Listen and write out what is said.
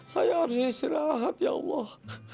saya harus istirahat ya allah